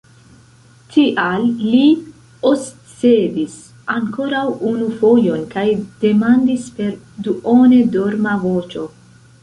Tial li oscedis ankoraŭ unu fojon kaj demandis per duone dorma voĉo.